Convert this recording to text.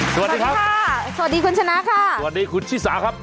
สวัสดีครับค่ะสวัสดีคุณชนะค่ะสวัสดีคุณชิสาครับ